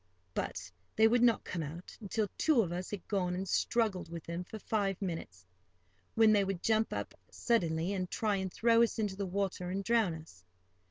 But they would not come out, until two of us had gone and struggled with them for five minutes, when they would jump up suddenly, and try and throw us into the water and drown us.